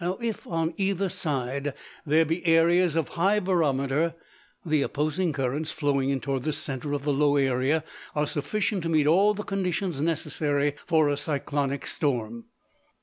Now, if on either side there be areas of high barometer, the opposing currents flowing toward the center of low area are sufficient to meet all the conditions necessary for a cyclonic storm.